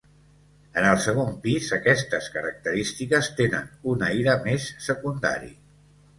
En el segon pis aquestes característiques tenen un aire més secundari.